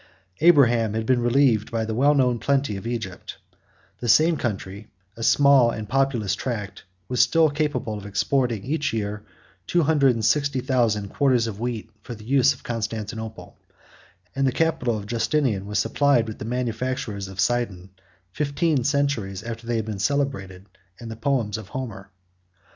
Abraham 55 had been relieved by the well known plenty of Egypt; the same country, a small and populous tract, was still capable of exporting, each year, two hundred and sixty thousand quarters of wheat for the use of Constantinople; 56 and the capital of Justinian was supplied with the manufactures of Sidon, fifteen centuries after they had been celebrated in the poems of Homer.